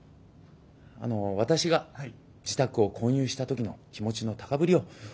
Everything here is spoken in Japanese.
あの私が自宅を購入した時の気持ちの高ぶりを。